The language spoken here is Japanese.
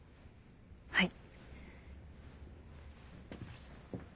はい。